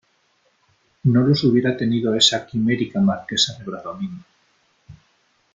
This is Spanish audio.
no los hubiera tenido esa quimérica Marquesa de Bradomín .